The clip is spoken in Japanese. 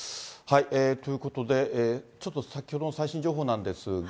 ということで、ちょっと先ほどの最新情報なんですが。